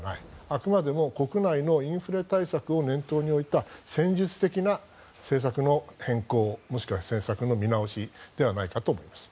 あくまでも国内のインフレ対策を念頭に置いた戦術的な政策の変更、もしくは政策の見直しではないかと思います。